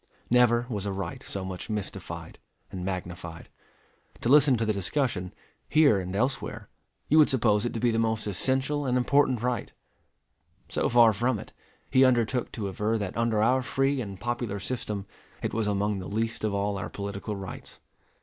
Never was a right so much mystified and magnified. To listen to the discussion, here and elsewhere, you would suppose it to be the most essential and important right: so far from it, he undertook to aver that under our free and popular system it was among the least of all our political rights.